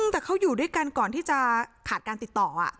แต่เขาอยู่ด้วยกันก่อนที่จะขาดการติดต่อ